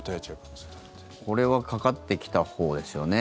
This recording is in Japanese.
でも、これはかかってきたほうですよね。